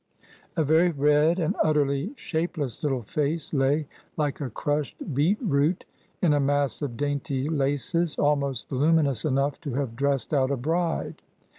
A very red and utterly shapeless little face lay, like a crushed beet root, in a mass of dainty laces almost voluminous enough to have dressed out a bride.